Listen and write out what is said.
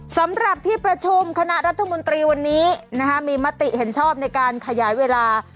สำหรับที่ประชุมคณะรัฐมนตรีวันนี้มีมติเห็นชอบในการขยายเวลา